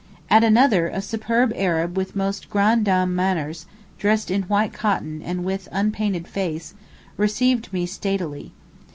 At another a superb Arab with most grande dame manners, dressed in white cotton and with unpainted face, received me statelily.